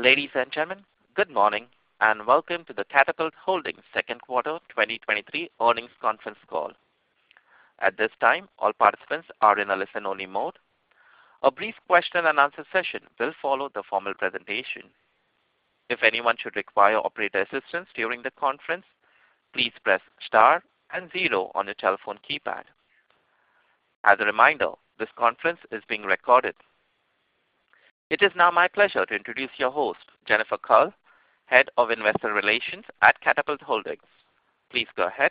Ladies and gentlemen, good morning, and welcome to the Katapult Holdings second quarter 2023 earnings conference call. At this time, all participants are in a listen-only mode. A brief question-and-answer session will follow the formal presentation. If anyone should require operator assistance during the conference, please press star and zero on your telephone keypad. As a reminder, this conference is being recorded. It is now my pleasure to introduce your host, Jennifer Kull, Head of Investor Relations at Katapult Holdings. Please go ahead.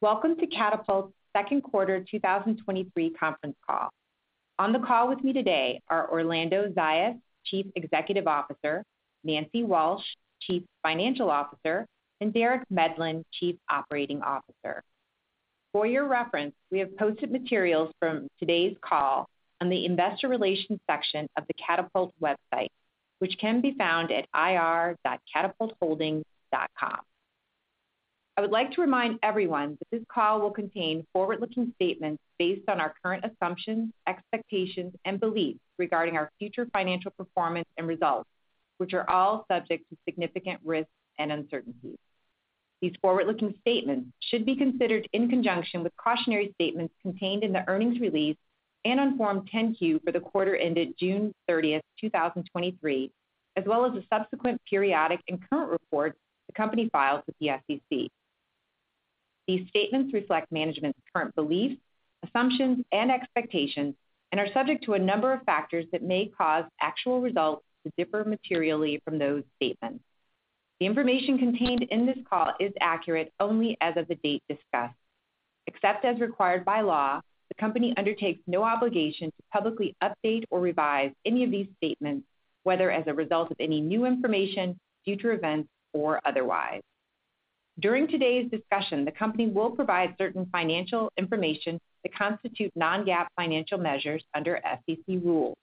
Welcome to Katapult's second quarter 2023 conference call. On the call with me today are Orlando Zayas, Chief Executive Officer; Nancy Walsh, Chief Financial Officer; and Derek Medlin, Chief Operating Officer. For your reference, we have posted materials from today's call on the investor relations section of the Katapult website, which can be found at ir.katapultholdings.com. I would like to remind everyone that this call will contain forward-looking statements based on our current assumptions, expectations, and beliefs regarding our future financial performance and results, which are all subject to significant risks and uncertainties. These forward-looking statements should be considered in conjunction with cautionary statements contained in the earnings release and on Form 10-Q for the quarter ended June 30th, 2023, as well as the subsequent periodic and current reports the company files with the SEC. These statements reflect management's current beliefs, assumptions, and expectations and are subject to a number of factors that may cause actual results to differ materially from those statements. The information contained in this call is accurate only as of the date discussed. Except as required by law, the company undertakes no obligation to publicly update or revise any of these statements, whether as a result of any new information, future events, or otherwise. During today's discussion, the company will provide certain financial information that constitute non-GAAP financial measures under SEC rules.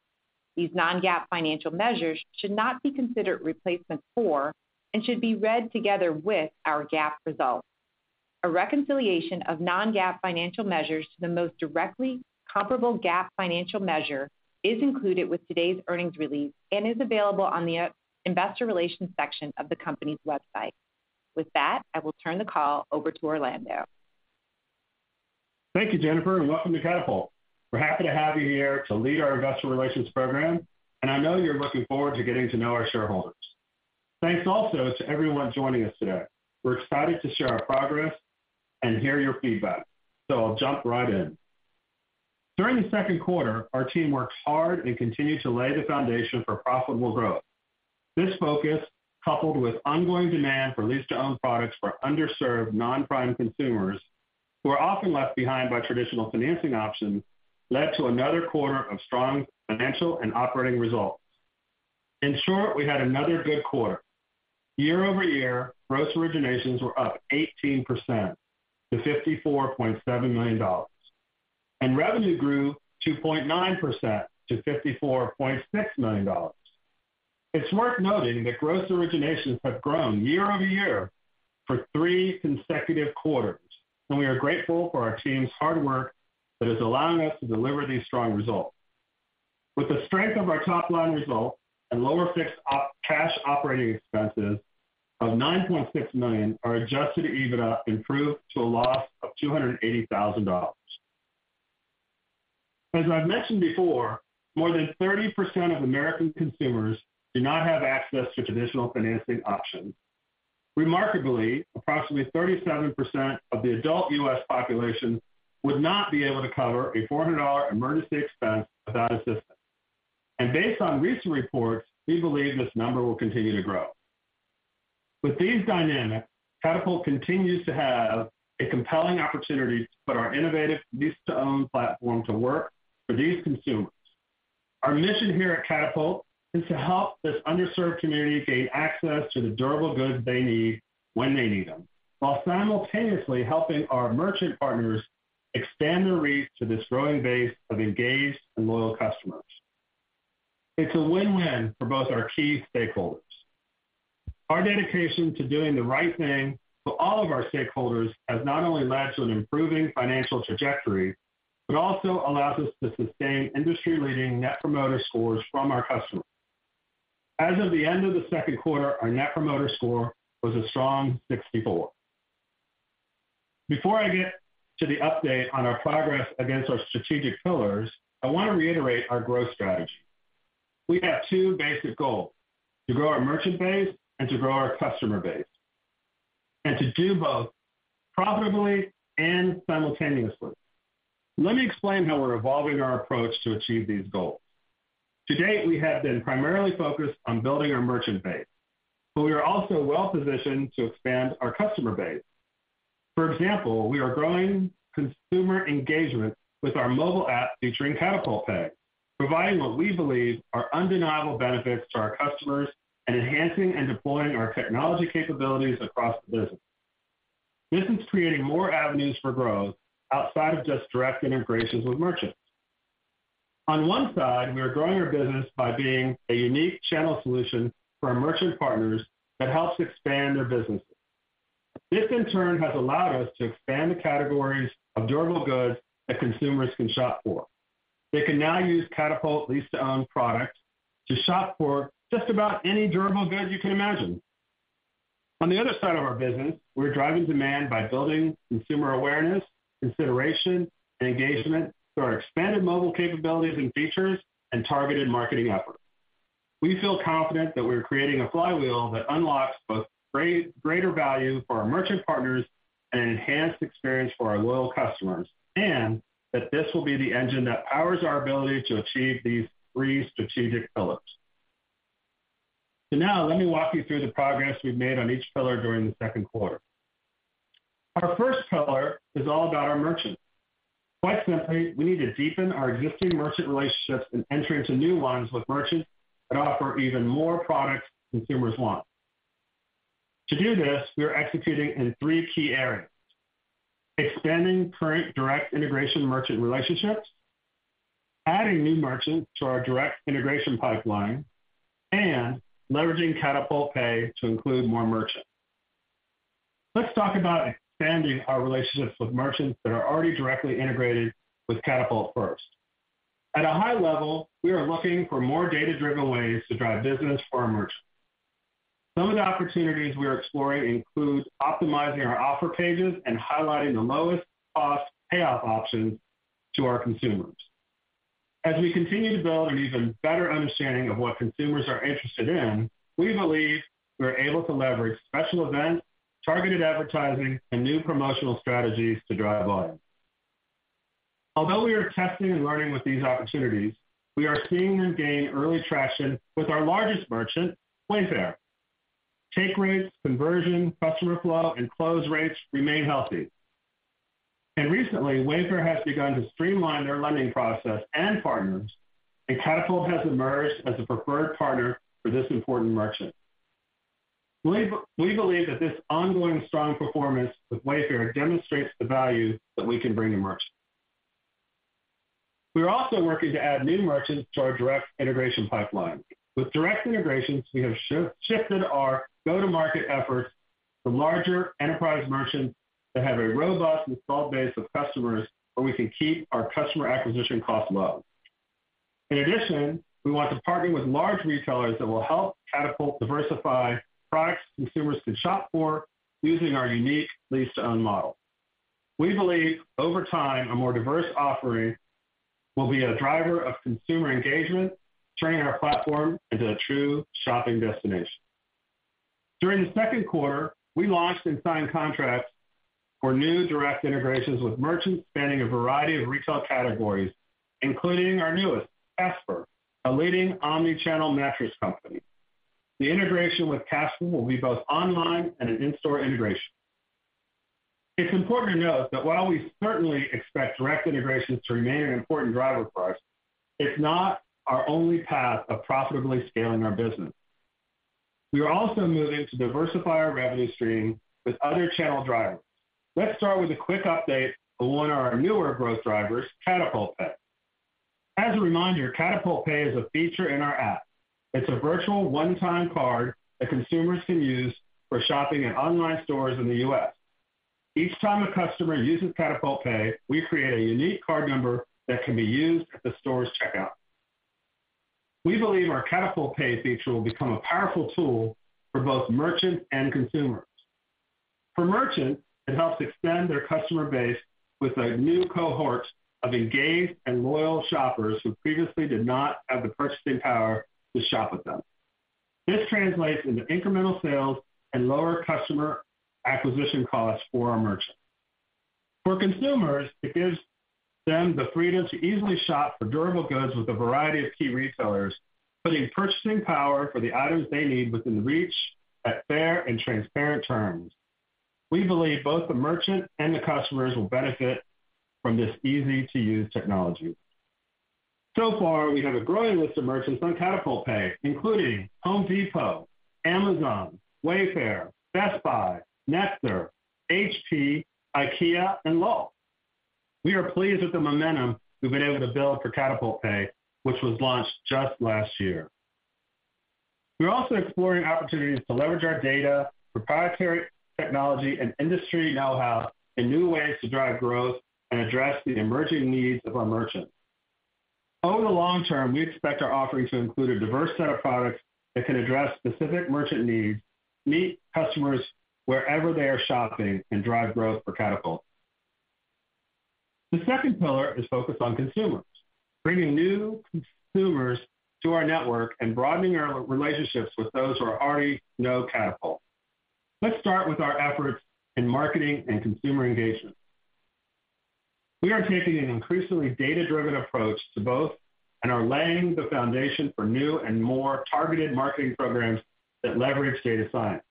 These non-GAAP financial measures should not be considered replacement for and should be read together with our GAAP results. A reconciliation of non-GAAP financial measures to the most directly comparable GAAP financial measure is included with today's earnings release and is available on the investor relations section of the company's website. With that, I will turn the call over to Orlando. Thank you, Jennifer, and welcome to Katapult. We're happy to have you here to lead our investor relations program, and I know you're looking forward to getting to know our shareholders. Thanks also to everyone joining us today. We're excited to share our progress and hear your feedback. I'll jump right in. During the second quarter, our team worked hard and continued to lay the foundation for profitable growth. This focus, coupled with ongoing demand for lease-to-own products for underserved non-prime consumers, who are often left behind by traditional financing options, led to another quarter of strong financial and operating results. In short, we had another good quarter. Year-over-year, gross originations were up 18% to $54.7 million, and revenue grew 2.9% to $54.6 million. It's worth noting that gross originations have grown year-over-year for three consecutive quarters, and we are grateful for our team's hard work that is allowing us to deliver these strong results. With the strength of our top-line results and lower fixed cash operating expenses of $9.6 million, our adjusted EBITDA improved to a loss of $280,000. As I've mentioned before, more than 30% of American consumers do not have access to traditional financing options. Remarkably, approximately 37% of the adult U.S. population would not be able to cover a $400 emergency expense without assistance. Based on recent reports, we believe this number will continue to grow. With these dynamics, Katapult continues to have a compelling opportunity to put our innovative lease-to-own platform to work for these consumers. Our mission here at Katapult is to help this underserved community gain access to the durable goods they need when they need them, while simultaneously helping our merchant partners expand their reach to this growing base of engaged and loyal customers. It's a win-win for both our key stakeholders. Our dedication to doing the right thing for all of our stakeholders has not only led to an improving financial trajectory, but also allows us to sustain industry-leading Net Promoter Scores from our customers. As of the end of the second quarter, our Net Promoter Score was a strong 64. Before I get to the update on our progress against our strategic pillars, I want to reiterate our growth strategy. We have two basic goals: To grow our merchant base and to grow our customer base, and to do both profitably and simultaneously. Let me explain how we're evolving our approach to achieve these goals. To date, we have been primarily focused on building our merchant base, but we are also well-positioned to expand our customer base. For example, we are growing consumer engagement with our mobile app featuring Katapult Pay, providing what we believe are undeniable benefits to our customers and enhancing and deploying our technology capabilities across the business. This is creating more avenues for growth outside of just direct integrations with merchants. On one side, we are growing our business by being a unique channel solution for our merchant partners that helps expand their businesses. This in turn, has allowed us to expand the categories of durable goods that consumers can shop for. They can now use Katapult lease-to-own products to shop for just about any durable goods you can imagine. On the other side of our business, we're driving demand by building consumer awareness, consideration, and engagement through our expanded mobile capabilities and features and targeted marketing efforts. We feel confident that we're creating a flywheel that unlocks both greater value for our merchant partners and an enhanced experience for our loyal customers, and that this will be the engine that powers our ability to achieve these three strategic pillars. Now let me walk you through the progress we've made on each pillar during the second quarter. Our first pillar is all about our merchants. Quite simply, we need to deepen our existing merchant relationships and enter into new ones with merchants that offer even more products consumers want. To do this, we are executing in three key areas: Extending current direct integration merchant relationships, adding new merchants to our direct integration pipeline, and leveraging Katapult Pay to include more merchants. Let's talk about expanding our relationships with merchants that are already directly integrated with Katapult first. At a high level, we are looking for more data-driven ways to drive business for our merchants. Some of the opportunities we are exploring includes optimizing our offer pages and highlighting the lowest-cost payoff options to our consumers. As we continue to build an even better understanding of what consumers are interested in, we believe we're able to leverage special events, targeted advertising, and new promotional strategies to drive volume. Although we are testing and learning with these opportunities, we are seeing them gain early traction with our largest merchant, Wayfair. Take rates, conversion, customer flow, and close rates remain healthy. Recently, Wayfair has begun to streamline their lending process and partners, and Katapult has emerged as a preferred partner for this important merchant. We believe that this ongoing strong performance with Wayfair demonstrates the value that we can bring to merchants. We are also working to add new merchants to our direct integration pipeline. With direct integrations, we have shifted our go-to-market efforts to larger enterprise merchants that have a robust installed base of customers, where we can keep our customer acquisition costs low. In addition, we want to partner with large retailers that will help Katapult diversify products consumers can shop for using our unique lease-to-own model. We believe over time, a more diverse offering will be a driver of consumer engagement, turning our platform into a true shopping destination. During the second quarter, we launched and signed contracts for new direct integrations with merchants spanning a variety of retail categories, including our newest, Casper, a leading omni-channel mattress company. The integration with Casper will be both online and an in-store integration. It's important to note that while we certainly expect direct integrations to remain an important driver for us, it's not our only path of profitably scaling our business. We are also moving to diversify our revenue stream with other channel drivers. Let's start with a quick update on one of our newer growth drivers, Katapult Pay. As a reminder, Katapult Pay is a feature in our app. It's a virtual one-time card that consumers can use for shopping in online stores in the U.S. Each time a customer uses Katapult Pay, we create a unique card number that can be used at the store's checkout. We believe our Katapult Pay feature will become a powerful tool for both merchants and consumers. For merchants, it helps extend their customer base with a new cohort of engaged and loyal shoppers who previously did not have the purchasing power to shop with them. This translates into incremental sales and lower customer acquisition costs for our merchants. For consumers, it gives them the freedom to easily shop for durable goods with a variety of key retailers, putting purchasing power for the items they need within reach at fair and transparent terms. We believe both the merchant and the customers will benefit from this easy-to-use technology. So far, we have a growing list of merchants on Katapult Pay, including Home Depot, Amazon, Wayfair, Best Buy, Nectar, HP, IKEA, and Lowe's. We are pleased with the momentum we've been able to build for Katapult Pay, which was launched just last year. We're also exploring opportunities to leverage our data, proprietary technology, and industry know-how in new ways to drive growth and address the emerging needs of our merchants. Over the long term, we expect our offerings to include a diverse set of products that can address specific merchant needs, meet customers wherever they are shopping, and drive growth for Katapult. The second pillar is focused on consumers, bringing new consumers to our network and broadening our relationships with those who already know Katapult. Let's start with our efforts in marketing and consumer engagement. We are taking an increasingly data-driven approach to both and are laying the foundation for new and more targeted marketing programs that leverage data science.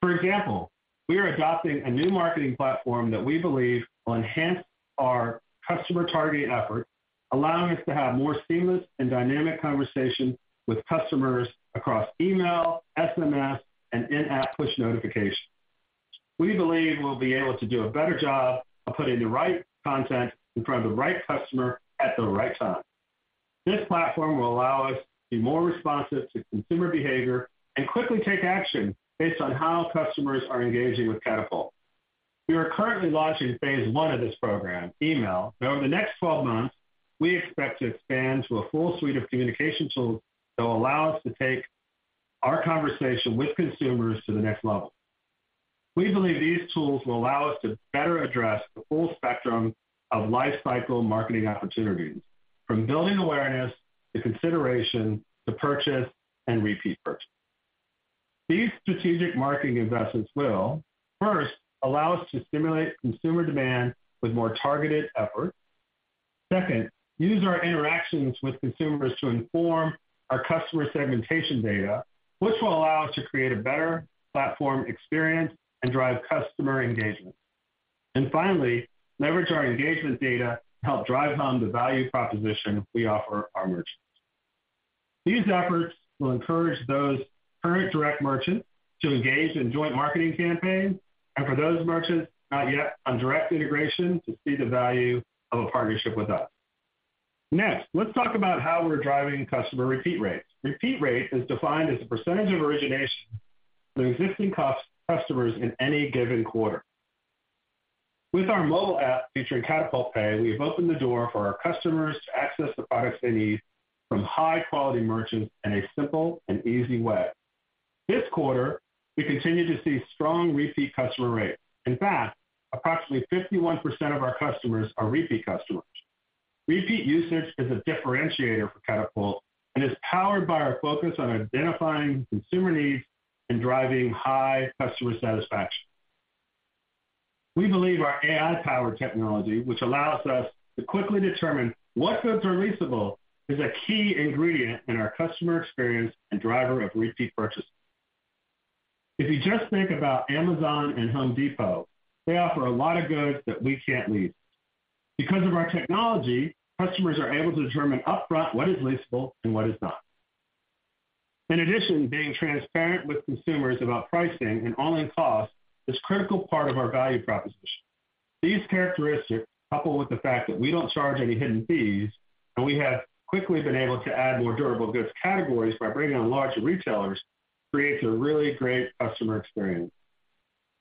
For example, we are adopting a new marketing platform that we believe will enhance our customer targeting efforts, allowing us to have more seamless and dynamic conversation with customers across email, SMS, and in-app push notification. We believe we'll be able to do a better job of putting the right content in front of the right customer at the right time. This platform will allow us to be more responsive to consumer behavior and quickly take action based on how customers are engaging with Katapult. We are currently launching phase one of this program, email, and over the next 12 months, we expect to expand to a full suite of communication tools that will allow us to take our conversation with consumers to the next level. We believe these tools will allow us to better address the full spectrum of lifecycle marketing opportunities, from building awareness, to consideration, to purchase, and repeat purchase. These strategic marketing investments will: First, allow us to stimulate consumer demand with more targeted efforts. Second, use our interactions with consumers to inform our customer segmentation data, which will allow us to create a better platform experience and drive customer engagement. Finally, leverage our engagement data to help drive home the value proposition we offer our merchants. These efforts will encourage those current direct merchants to engage in joint marketing campaigns, and for those merchants not yet on direct integration, to see the value of a partnership with us. Next, let's talk about how we're driving customer repeat rates. Repeat rate is defined as the percentage of origination to existing customers in any given quarter. With our mobile app featuring Katapult Pay, we have opened the door for our customers to access the products they need from high-quality merchants in a simple and easy way. This quarter, we continued to see strong repeat customer rates. In fact, approximately 51% of our customers are repeat customers. Repeat usage is a differentiator for Katapult and is powered by our focus on identifying consumer needs and driving high customer satisfaction. We believe our AI-powered technology, which allows us to quickly determine what goods are leasable, is a key ingredient in our customer experience and driver of repeat purchases. If you just think about Amazon and Home Depot, they offer a lot of goods that we can't lease. Because of our technology, customers are able to determine upfront what is leasable and what is not. In addition, being transparent with consumers about pricing and all-in costs is a critical part of our value proposition. These characteristics, coupled with the fact that we don't charge any hidden fees, and we have quickly been able to add more durable goods categories by bringing on larger retailers, creates a really great customer experience.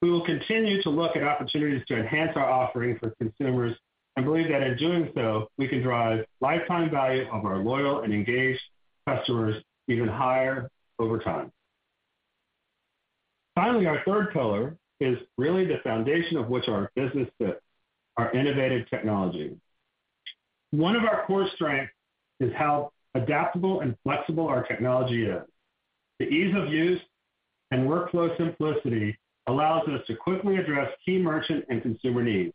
We will continue to look at opportunities to enhance our offering for consumers and believe that in doing so, we can drive lifetime value of our loyal and engaged customers even higher over time. Finally, our third pillar is really the foundation of which our business fits, our innovative technology. One of our core strengths is how adaptable and flexible our technology is. The ease of use and workflow simplicity allows us to quickly address key merchant and consumer needs.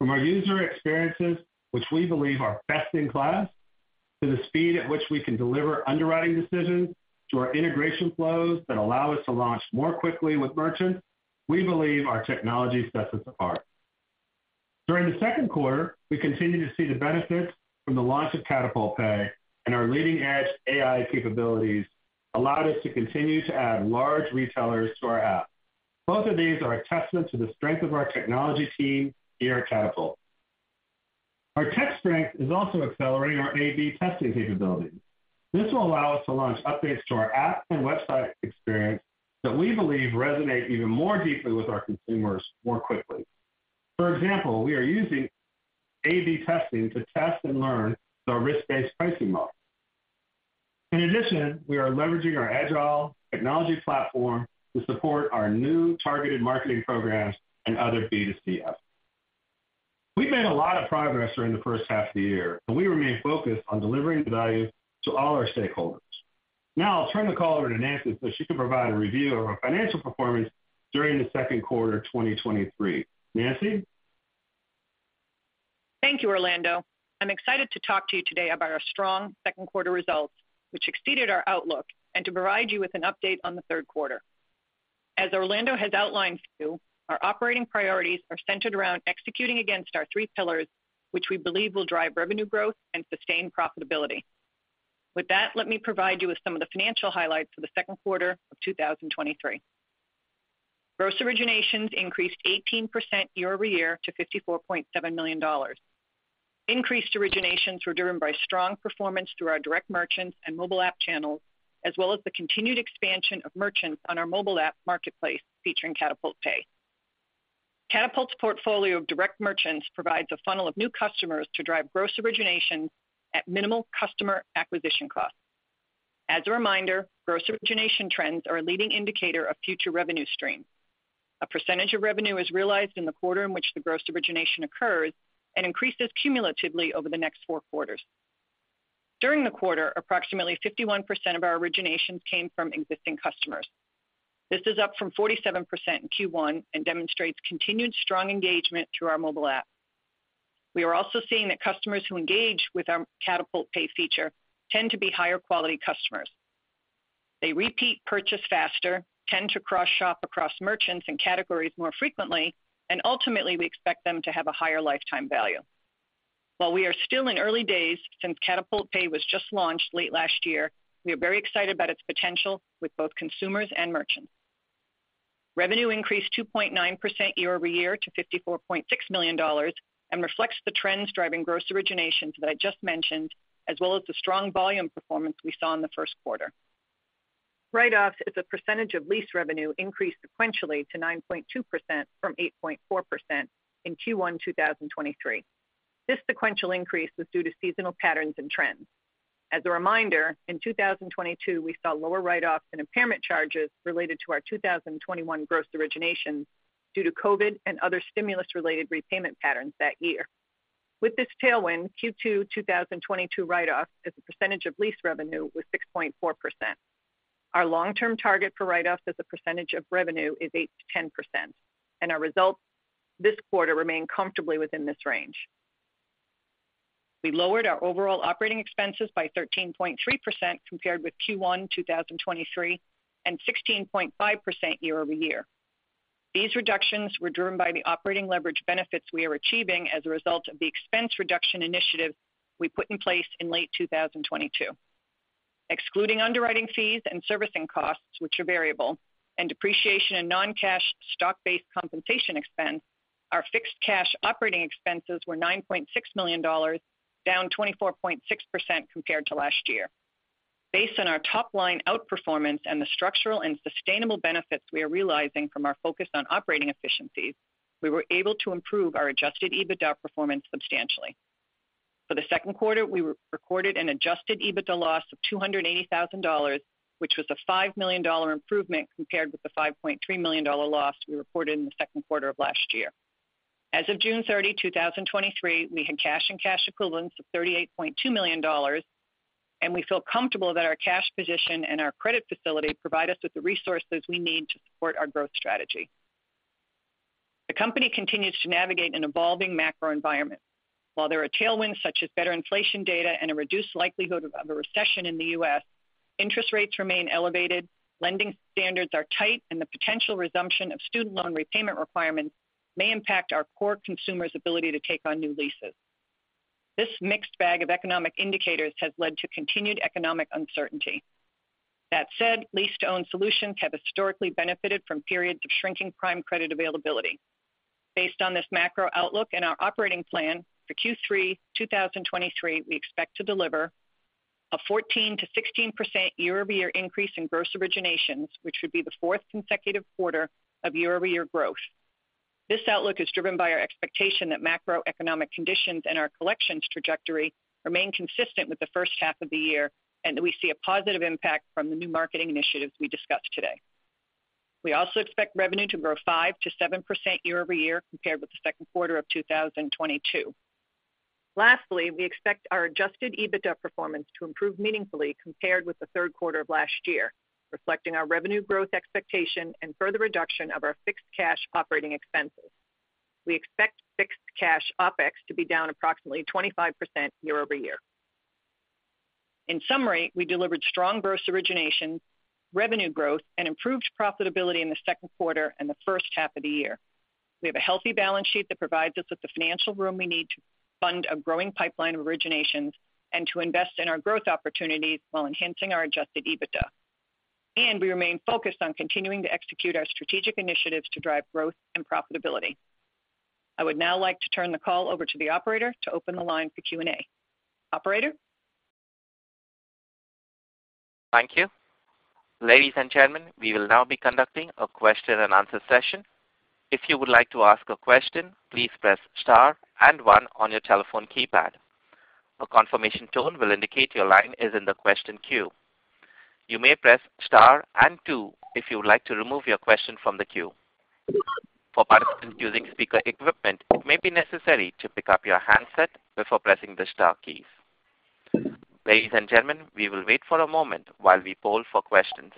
From our user experiences, which we believe are best-in-class, to the speed at which we can deliver underwriting decisions, to our integration flows that allow us to launch more quickly with merchants, we believe our technology sets us apart. During the second quarter, we continued to see the benefits from the launch of Katapult Pay. Our leading-edge AI capabilities allowed us to continue to add large retailers to our app. Both of these are a testament to the strength of our technology team here at Katapult. Our tech strength is also accelerating our A/B testing capabilities. This will allow us to launch updates to our app and website experience that we believe resonate even more deeply with our consumers more quickly. For example, we are using A/B testing to test and learn our risk-based pricing model. In addition, we are leveraging our agile technology platform to support our new targeted marketing programs and other B2C apps. We've made a lot of progress during the first half of the year, and we remain focused on delivering value to all our stakeholders. Now I'll turn the call over to Nancy, so she can provide a review of our financial performance during the second quarter of 2023. Nancy? Thank you, Orlando. I'm excited to talk to you today about our strong second quarter results, which exceeded our outlook, and to provide you with an update on the third quarter. As Orlando has outlined to you, our operating priorities are centered around executing against our three pillars, which we believe will drive revenue growth and sustain profitability. With that, let me provide you with some of the financial highlights for the second quarter of 2023. Gross originations increased 18% year-over-year to $54.7 million. Increased originations were driven by strong performance through our direct merchants and mobile app channels, as well as the continued expansion of merchants on our mobile app marketplace, featuring Katapult Pay. Katapult's portfolio of direct merchants provides a funnel of new customers to drive gross originations at minimal customer acquisition costs. As a reminder, gross origination trends are a leading indicator of future revenue streams. A percentage of revenue is realized in the quarter in which the gross origination occurs and increases cumulatively over the next four quarters. During the quarter, approximately 51% of our originations came from existing customers. This is up from 47% in Q1 and demonstrates continued strong engagement through our mobile app. We are also seeing that customers who engage with our Katapult Pay feature tend to be higher-quality customers. They repeat purchase faster, tend to cross-shop across merchants and categories more frequently, and ultimately, we expect them to have a higher lifetime value. While we are still in early days since Katapult Pay was just launched late last year, we are very excited about its potential with both consumers and merchants. Revenue increased 2.9% year-over-year to $54.6 million and reflects the trends driving gross originations that I just mentioned, as well as the strong volume performance we saw in the first quarter. Write-offs as a percentage of lease revenue increased sequentially to 9.2% from 8.4% in Q1 2023. This sequential increase was due to seasonal patterns and trends. As a reminder, in 2022, we saw lower write-offs and impairment charges related to our 2021 gross originations due to COVID and other stimulus-related repayment patterns that year. With this tailwind, Q2 2022 write-offs as a percentage of lease revenue was 6.4%. Our long-term target for write-offs as a percentage of revenue is 8%-10%, and our results this quarter remain comfortably within this range. We lowered our overall operating expenses by 13.3% compared with Q1 2023, and 16.5% year-over-year. These reductions were driven by the operating leverage benefits we are achieving as a result of the expense reduction initiative we put in place in late 2022. Excluding underwriting fees and servicing costs, which are variable, and depreciation and non-cash stock-based compensation expense, our fixed cash operating expenses were $9.6 million, down 24.6% compared to last year. Based on our top line outperformance and the structural and sustainable benefits we are realizing from our focus on operating efficiencies, we were able to improve our adjusted EBITDA performance substantially. For the second quarter, we recorded an adjusted EBITDA loss of $280,000, which was a $5-million improvement compared with the $5.3 -loss we reported in the second quarter of last year. As of June 30, 2023, we had cash and cash equivalents of $38.2 million. We feel comfortable that our cash position and our credit facility provide us with the resources we need to support our growth strategy. The company continues to navigate an evolving macro environment. While there are tailwinds, such as better inflation data and a reduced likelihood of a recession in the U.S., interest rates remain elevated, lending standards are tight, and the potential resumption of student loan repayment requirements may impact our core consumers' ability to take on new leases. This mixed bag of economic indicators has led to continued economic uncertainty. That said, lease-to-own solutions have historically benefited from periods of shrinking prime credit availability. Based on this macro outlook and our operating plan for Q3 2023, we expect to deliver a 14%-16% year-over-year increase in gross originations, which would be the fourth consecutive quarter of year-over-year growth. This outlook is driven by our expectation that macroeconomic conditions and our collections trajectory remain consistent with the first half of the year, and that we see a positive impact from the new marketing initiatives we discussed today. We also expect revenue to grow 5%-7% year-over-year compared with the second quarter of 2022. Lastly, we expect our adjusted EBITDA performance to improve meaningfully compared with the third quarter of last year, reflecting our revenue growth expectation and further reduction of our fixed cash operating expenses. We expect fixed cash OpEx to be down approximately 25% year-over-year. In summary, we delivered strong gross origination, revenue growth and improved profitability in the second quarter and the first half of the year. We have a healthy balance sheet that provides us with the financial room we need to fund a growing pipeline of originations and to invest in our growth opportunities while enhancing our adjusted EBITDA. We remain focused on continuing to execute our strategic initiatives to drive growth and profitability. I would now like to turn the call over to the operator to open the line for Q&A. Operator? Thank you. Ladies and gentlemen, we will now be conducting a question-and-answer session. If you would like to ask a question, please press star and one on your telephone keypad. A confirmation tone will indicate your line is in the question queue. You may press star and two if you would like to remove your question from the queue. For participants using speaker equipment, it may be necessary to pick up your handset before pressing the star keys. Ladies and gentlemen, we will wait for a moment while we poll for questions.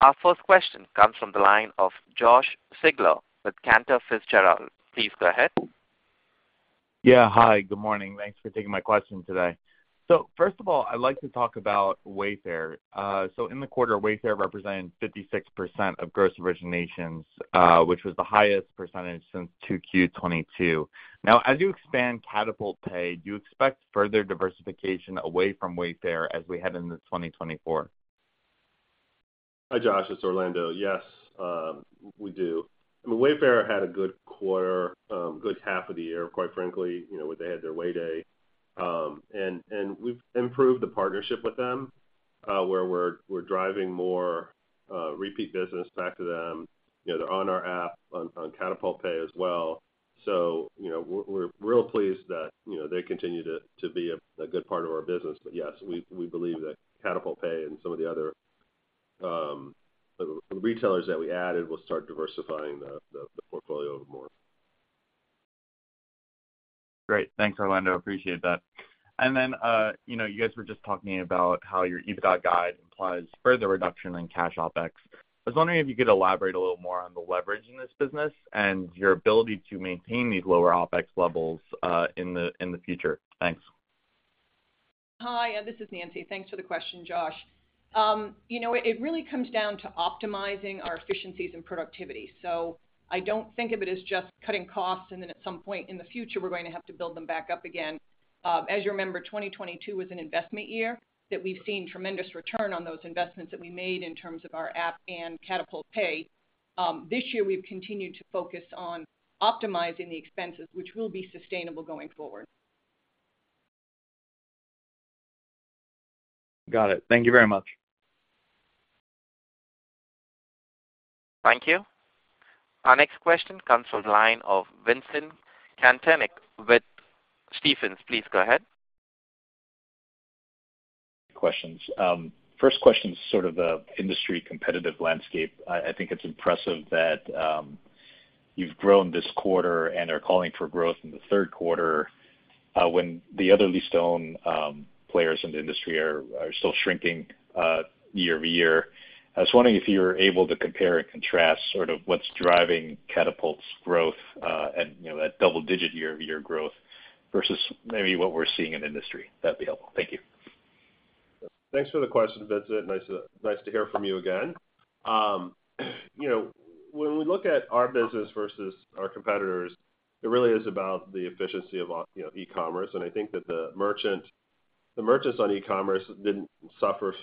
Our first question comes from the line of Josh Siegler with Cantor Fitzgerald. Please go ahead. Yeah. Hi, good morning. Thanks for taking my question today. First of all, I'd like to talk about Wayfair. In the quarter, Wayfair represented 56% of gross originations, which was the highest percentage since 2Q 2022. As you expand Katapult Pay, do you expect further diversification away from Wayfair as we head into 2024? Hi, Josh, it's Orlando. Yes, we do. I mean, Wayfair had a good quarter, good half of the year, quite frankly. You know, they had their Way Day. We've improved the partnership with them, where we're driving more repeat business back to them. You know, they're on our app, on Katapult Pay as well. You know, we're real pleased that, you know, they continue to be a good part of our business. Yes, we believe that Katapult Pay and some of the other retailers that we added will start diversifying the portfolio more. Great. Thanks, Orlando. Appreciate that. You know, you guys were just talking about how your EBITDA guide implies further reduction in cash OpEx. I was wondering if you could elaborate a little more on the leverage in this business and your ability to maintain these lower OpEx levels in the, in the future. Thanks. Hi, this is Nancy Walsh. Thanks for the question, Josh. You know, it really comes down to optimizing our efficiencies and productivity. I don't think of it as just cutting costs, and then at some point in the future, we're going to have to build them back up again. As you remember, 2022 was an investment year that we've seen tremendous return on those investments that we made in terms of our app and Katapult Pay.... this year, we've continued to focus on optimizing the expenses, which will be sustainable going forward. Got it. Thank you very much. Thank you. Our next question comes from the line of Vincent Caintic with Stephens. Please go ahead. Questions. First question is sort of the industry competitive landscape. I, I think it's impressive that you've grown this quarter and are calling for growth in the third quarter, when the other lease-to-own players in the industry are, are still shrinking year-over-year. I was wondering if you're able to compare and contrast sort of what's driving Katapult's growth, and, you know, that double-digit year-over-year growth versus maybe what we're seeing in the industry. That'd be helpful. Thank you. Thanks for the question, Vincent. Nice to, nice to hear from you again. You know, when we look at our business versus our competitors, it really is about the efficiency of our, you know, e-commerce. I think that the merchants on e-commerce didn't suffer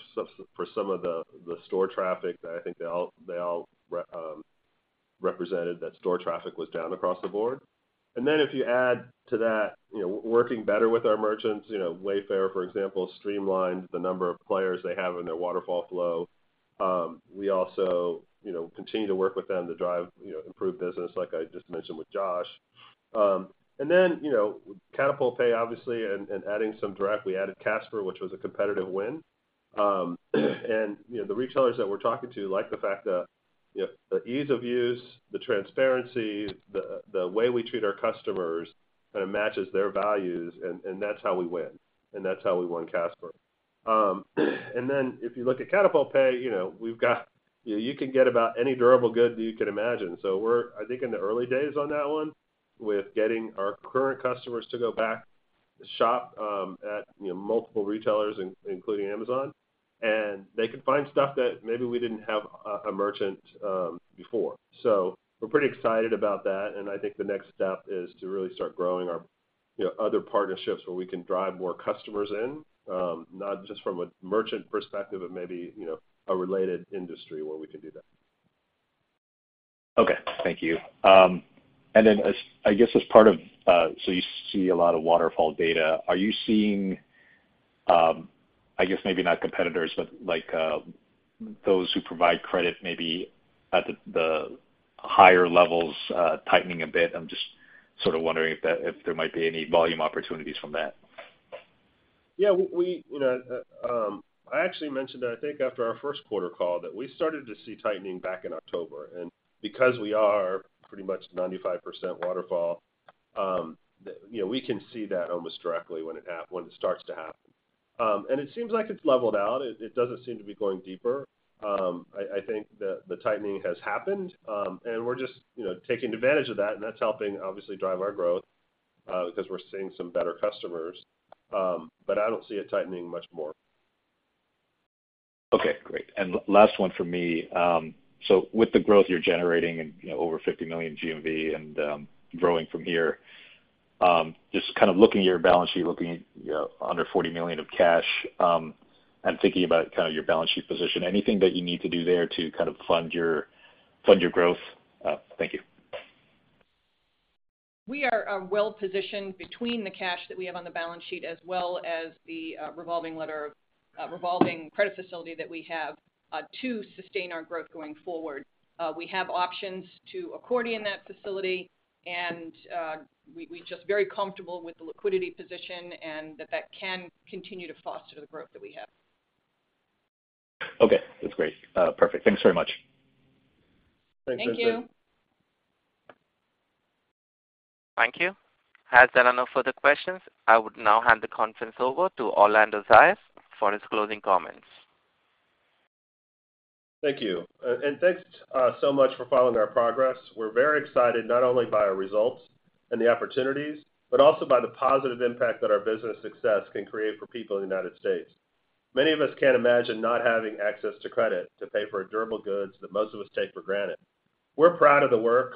for some of the, the store traffic. I think they all, they all, represented that store traffic was down across the board. If you add to that, you know, working better with our merchants, you know, Wayfair, for example, streamlined the number of players they have in their waterfall flow. We also, you know, continue to work with them to drive, you know, improved business, like I just mentioned with Josh. You know, Katapult Pay, obviously, and, and adding some direct. We added Casper, which was a competitive win. You know, the retailers that we're talking to like the fact that, you know, the ease of use, the transparency, the, the way we treat our customers kind of matches their values, and, and that's how we win, and that's how we won Casper. If you look at Katapult Pay, you know, we've got, you can get about any durable good you can imagine. We're, I think, in the early days on that one, with getting our current customers to go back to shop, at, you know, multiple retailers, including Amazon. They can find stuff that maybe we didn't have a, a merchant before. We're pretty excited about that, and I think the next step is to really start growing our, you know, other partnerships where we can drive more customers in, not just from a merchant perspective, but maybe, you know, a related industry where we can do that. Okay, thank you. I guess, as part of, so you see a lot of waterfall data, are you seeing, I guess maybe not competitors, but like, those who provide credit maybe at the, the higher levels, tightening a bit? I'm just sort of wondering if there might be any volume opportunities from that. Yeah, we, we, you know, I actually mentioned, I think after our first quarter call, that we started to see tightening back in October. Because we are pretty much 95% waterfall, you know, we can see that almost directly when it starts to happen. It seems like it's leveled out. It doesn't seem to be going deeper. I think that the tightening has happened, and we're just, you know, taking advantage of that, and that's helping obviously drive our growth, because we're seeing some better customers. I don't see it tightening much more. Okay, great. Last one from me. With the growth you're generating and, you know, over $50 million GMV and growing from here, just kind of looking at your balance sheet, looking at, you know, under $40 million of cash, and thinking about kind of your balance sheet position, anything that you need to do there to kind of fund your, fund your growth? Thank you. We are well-positioned between the cash that we have on the balance sheet, as well as the revolving letter of revolving credit facility that we have to sustain our growth going forward. We have options to accordion that facility, and we're just very comfortable with the liquidity position and that that can continue to foster the growth that we have. Okay. That's great. Perfect. Thanks very much. Thanks, Vincent. Thank you. Thank you. As there are no further questions, I would now hand the conference over to Orlando Zayas for his closing comments. Thank you. Thanks so much for following our progress. We're very excited, not only by our results and the opportunities, but also by the positive impact that our business success can create for people in the United States. Many of us can't imagine not having access to credit to pay for durable goods that most of us take for granted. We're proud of the work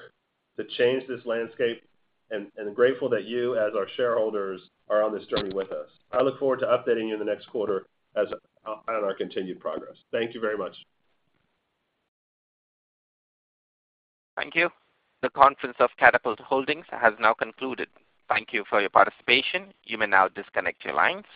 to change this landscape and, and grateful that you, as our shareholders, are on this journey with us. I look forward to updating you in the next quarter on our continued progress. Thank you very much. Thank you. The conference of Katapult Holdings has now concluded. Thank you for your participation. You may now disconnect your lines.